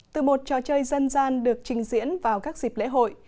từ một trò chơi dân gian được trình diễn vào các dịp lễ hội